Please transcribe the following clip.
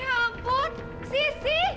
ya ampun sisi